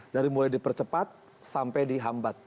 dari mulai dipercepat sampai dihambat